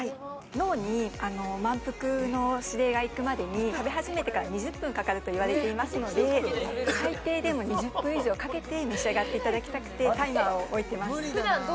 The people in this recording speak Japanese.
脳に満腹の指令が行くまでに食べ始めてから２０分かかるといわれていますので最低でも２０分以上かけて召し上がっていただきたくてタイマーを置いています